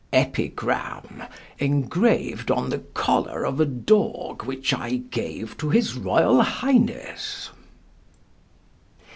EPIGRAM, ENGRAVED ON THE COLLAR OF A DOG WHICH I GAVE TO HIS ROYAL HIGHNESS.